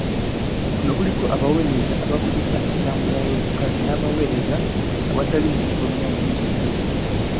Kuno kuliko abaweereza abakozesa entambula ey'olukale n'abaweereza abatali mu bifo bya nkizo nnyo.